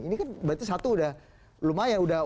ini kan berarti satu udah lumayan